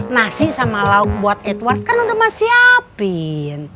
nasi sama lauk buat edward kan udah mah siapin